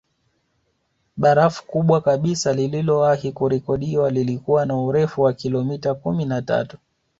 Barafu kubwa kabisa lililowahi kurekodiwa lilikuwa na urefu wa kilometa kumi na tatu